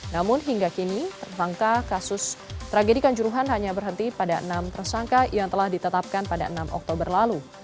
namun hingga kini tersangka kasus tragedikan juruhan hanya berhenti pada enam tersangka yang telah ditetapkan pada enam oktober lalu